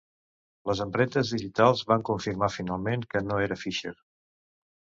Les empremtes digitals van confirmar finalment que no era Fisher.